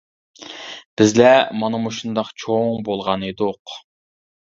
بىزلەر مانا مۇشۇنداق چوڭ بولغان ئىدۇق.